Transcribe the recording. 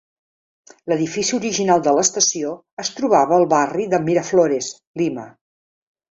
L'edifici original de l'estació es trobava al barri de Miraflores, Lima.